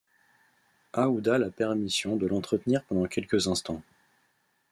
Aouda la permission de l’entretenir pendant quelques instants.